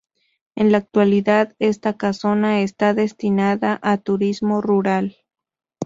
En la actualidad esta casona está destinada a turismo rural.